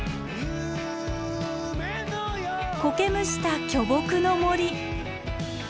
苔むした巨木の森。